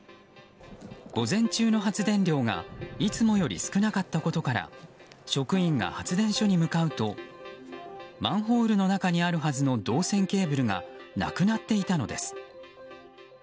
午前中の発電量がいつもより少なかったことから職員が発電所に向かうとマンホールの中にあるはずの銅線ケーブルがなくなっていたのです。